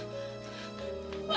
ken itu siapa